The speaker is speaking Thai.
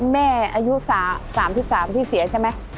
แม่อายุ๓๓ที่เสียใช่ไหม